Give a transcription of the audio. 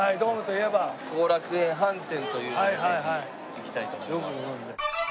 行きたいと思います。